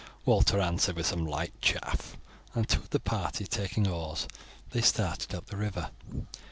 Walter answered with some light chaff, and, two of the party taking oars, they started up the river.